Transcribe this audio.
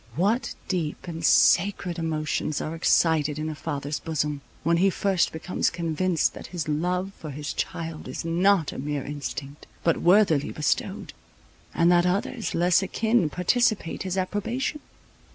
What deep and sacred emotions are excited in a father's bosom, when he first becomes convinced that his love for his child is not a mere instinct, but worthily bestowed, and that others, less akin, participate his approbation!